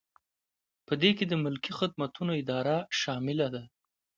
په دې کې د ملکي خدمتونو اداره شامله ده.